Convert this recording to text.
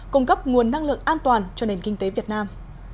cung cấp nguồn năng lượng an toàn cho nền kinh tế việt nam